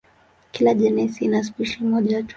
Kila jenasi ina spishi moja tu.